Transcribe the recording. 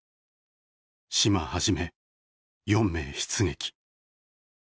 島はじめ四名出撃。